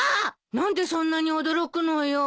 何でそんなに驚くのよ。